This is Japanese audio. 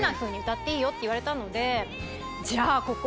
って言われたのでじゃあ。